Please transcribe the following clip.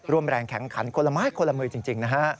ร่วมแรงแข็งขันคนละไม้คนละมือจริงนะฮะ